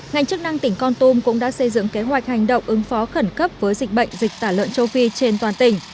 ngành chức năng tỉnh con tum cũng đã xây dựng kế hoạch hành động ứng phó khẩn cấp với dịch bệnh dịch tả lợn châu phi trên toàn tỉnh